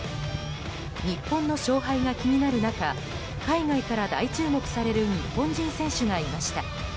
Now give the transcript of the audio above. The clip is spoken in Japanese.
日本の勝敗が気になる中海外から大注目される日本人選手がいました。